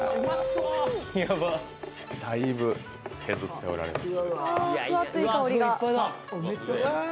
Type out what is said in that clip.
だいぶ、削っておられます。